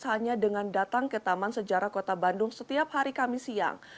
hanya dengan datang ke taman sejarah kota bandung setiap hari kamis siang